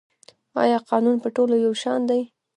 آیا قانون په ټولو یو شان دی؟